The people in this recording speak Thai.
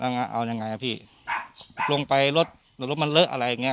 แล้วง่ะเอายังไงอ่ะพี่ลงไปรถรถมันเลอะอะไรอย่างเงี้ย